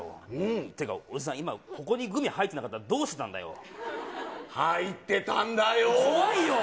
ってか、おじさん、今、ここにグミ入ってなかったら、どうしてた入ってたんだよぉ。